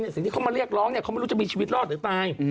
สิ่งที่เขามาเรียกร้องเนี่ยเขาไม่รู้จะมีชีวิตรอดหรือตาย